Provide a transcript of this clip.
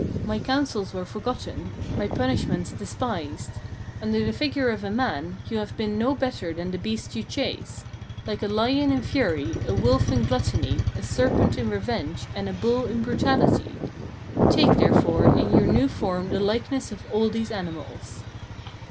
My counsels were forgotten, my punishments despised. Under the figure of a man, you have been no better than the beasts you chase: like a lion in fury, a wolf in gluttony, a serpent in revenge, and a bull in brutality. Take, therefore, in your new form the likeness of all these animals."